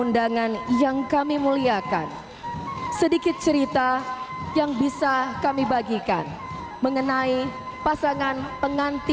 mengunjung ke kotatanya ketika umumnya polisi melengkapi bold dengan bowline yang berhenti